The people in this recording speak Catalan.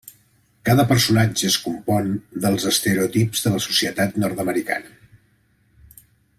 Cada personatge es compon dels estereotips de la societat nord-americana.